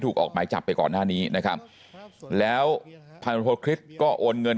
ออกหมายจับไปก่อนหน้านี้นะครับแล้วพันธริสก็โอนเงิน